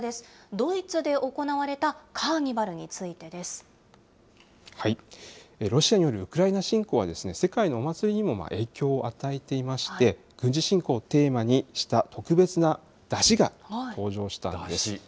ドイツで行われたカロシアによるウクライナ侵攻は、世界のお祭りにも影響を与えていまして、軍事侵攻をテーマにした特別な山車が登場したんです。